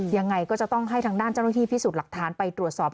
ยังไงก็จะต้องให้ทางด้านเจ้าหน้าที่พิสูจน์หลักฐานไปตรวจสอบ